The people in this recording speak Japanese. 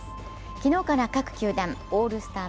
昨日から各球団、オールスター